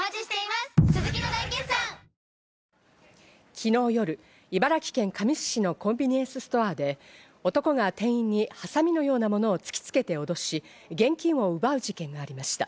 昨日夜、茨城県神栖市のコンビニエンスストアで男が店員にはさみのようなものを突きつけて脅し、現金を奪う事件がありました。